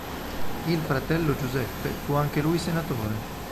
Il fratello Giuseppe fu anche lui senatore.